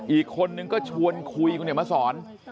อีกคนนึงก็ชวนคุยคุณเดี๋ยวมาสอน